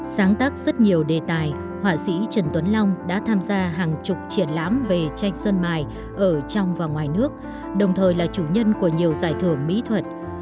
sáng tác rất nhiều đề tài họa sĩ trần tuấn long đã tham gia hàng chục triển lãm về tranh sơn mài ở trong và ngoài nước đồng thời là chủ nhân của nhiều giải thưởng mỹ thuật